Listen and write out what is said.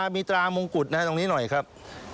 มีตรามงกุฎตรงนี้หน่อยครับ